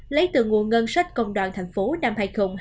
lấy từ nguồn ngân sách công đoàn thành phố năm hai nghìn hai mươi ba